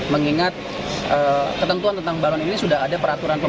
mengingat ketentuan tentang baron ini sudah ada peraturan pemerintah